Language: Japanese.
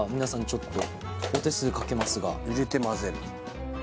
ちょっとお手数かけますが入れて混ぜる